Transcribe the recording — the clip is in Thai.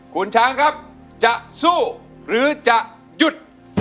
คุณช้างครับจะสู้หรือจะหยุด